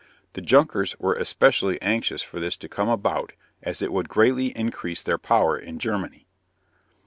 The Junkers were especially anxious for this to come about as it would greatly increase their power in Germany.